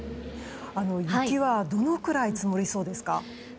雪は、どのくらい積もりそうですか。